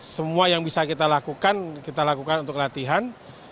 semua yang bisa kita lakukan kita lakukan untuk latihan